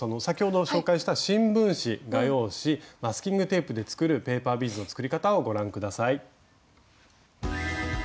先ほど紹介した新聞紙画用紙マスキングテープで作るペーパービーズの作り方をご覧下さい。